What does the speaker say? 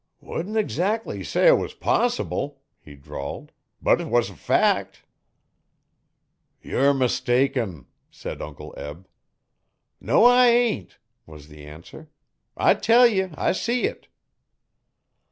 'Wouldn't eggzac'ly say 'twas possible,' he drawled, 'but 'twas a fact.' 'Yer mistaken,' said Uncle Eb. 'No I hain't,' was the answer, 'I tell ye I see it.'